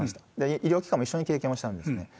医療機関も一緒に経験をしたんですね。